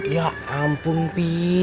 ya ampun pi